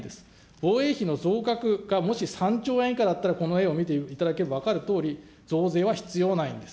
防衛費の増額がもし３兆円以下だったら、この絵を見ていただければ分かるとおり、増税は必要ないんです。